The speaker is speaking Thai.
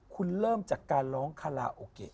คุณเริ่มจากการร้องคาราโอเกะ